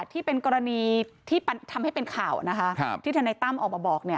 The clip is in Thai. ที่เป็นกรณีที่ทำให้เป็นข่าวนะคะที่ท่านไนตั้มออกมาบอกเนี่ย